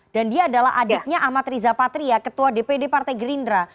dan dia adalah adiknya amat riza patria ketua dpd partai gerindra